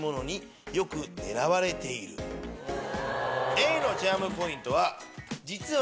Ａのチャームポイントは実は。